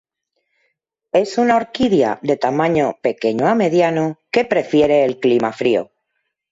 Es una orquídea de tamaño pequeño a mediano que prefiere el clima frío.